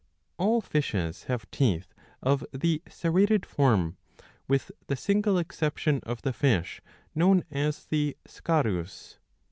^ All fishes have teeth of the serrated form, with the single exception of the fish known as the Scarus.'